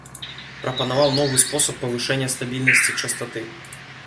Прапанаваў новы спосаб павышэння стабільнасці частаты.